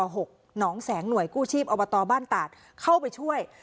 หนองแสงหน่วยกู้ชีพอบตบ้านตาดเข้าไปช่วย